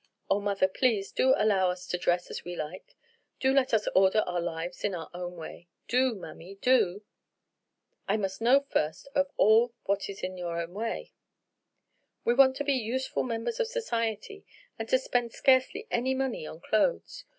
Oh, mother, please, do allow us to dress as we like; do let us order our lives in our own way—do, mammy, do." "I must know first of all what is your own way." "We want to be useful members of society, and to spend scarcely any money on clothes.